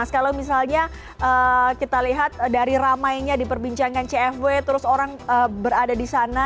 kalau misalnya kita lihat dari ramainya diperbincangkan cfw terus orang berada di sana